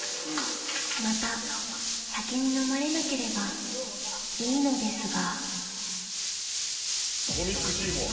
［また酒にのまれなければいいのですが］